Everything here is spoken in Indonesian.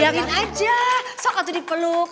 ya biarin aja sokak itu dipeluk